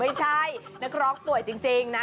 ไม่ใช่นักร้องป่วยจริงนะ